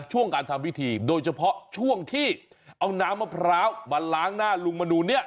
ช่วงการทำพิธีโดยเฉพาะช่วงที่เอาน้ำมะพร้าวมาล้างหน้าลุงมนูนเนี่ย